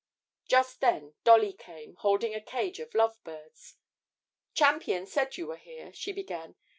Just then Dolly came, holding a cage of lovebirds. 'Champion said you were here,' she began.